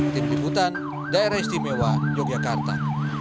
tim liputan daerah istimewa yogyakarta